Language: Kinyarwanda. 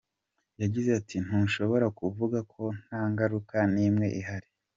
Yagize ati “Ntushobora kuvuga ko nta ngaruka n’imwe ihari.